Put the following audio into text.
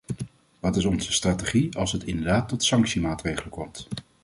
Wat is onze strategie als het inderdaad tot sanctiemaatregelen komt?